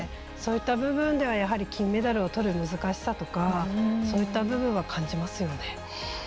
そういった部分では金メダルをとる難しさとかそういった部分は感じますよね。